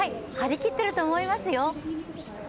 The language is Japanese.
張り切っていると思いますよ。